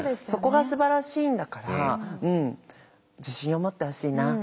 そこがすばらしいんだから自信を持ってほしいな。